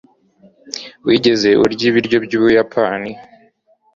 Wigeze urya ibiryo by'Ubuyapani?